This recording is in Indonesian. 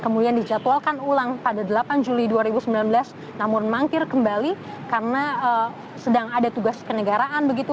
kemudian dijadwalkan ulang pada delapan juli dua ribu sembilan belas namun mangkir kembali karena sedang ada tugas kenegaraan begitu